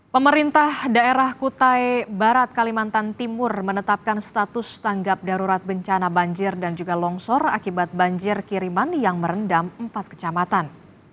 pemerintah daerah kutai barat kalimantan timur menetapkan status tanggap darurat bencana banjir dan juga longsor akibat banjir kiriman yang merendam empat kecamatan